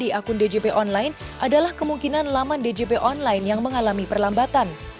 di akun djp online adalah kemungkinan laman djp online yang mengalami perlambatan